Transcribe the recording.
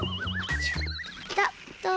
ペタッと。